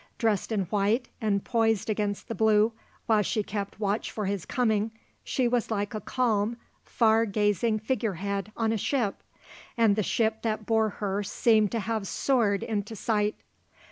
Dressed in white and poised against the blue, while she kept watch for his coming, she was like a calm, far gazing figure head on a ship, and the ship that bore her seemed to have soared into sight.